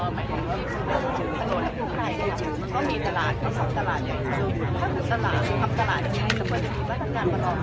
ไม่ใช่มาสร้างความสงสัยเราความเกิดในการเงินขึ้นจะมาโทษหรือว่าไม่ได้